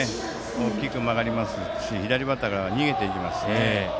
大きく曲がりますし左バッターから逃げていきますね。